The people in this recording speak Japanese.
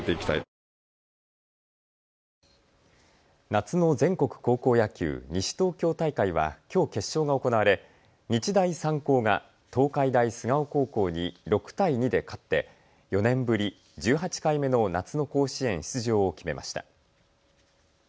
夏の全国高校野球・西東京大会はきょう決勝が行われ日大三高が東海大菅生高校に６対２で勝って４年ぶり１８回目の夏の甲子園出場を決めました。